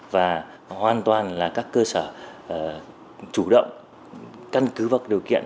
và hoàn toàn là các cơ sở chủ động căn cứ vào điều kiện